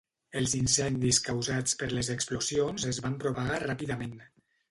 Els incendis causats per les explosions es van propagar ràpidament.